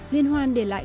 liên hoan để lại